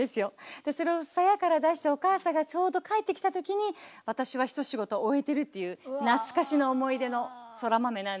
それをさやから出してお母さんがちょうど帰ってきた時に私は一仕事終えてるっていう懐かしの思い出のそら豆なんです。